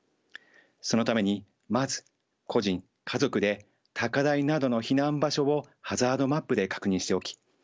そのためにまず個人家族で高台などの避難場所をハザードマップで確認しておき